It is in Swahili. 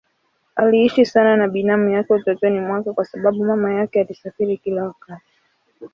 Aliishi sana na binamu yake utotoni mwake kwa sababu mama yake alisafiri kila wakati.